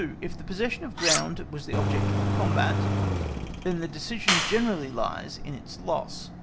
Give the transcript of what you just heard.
If the possession of ground was the object of the combat, then the decision generally lies in its loss.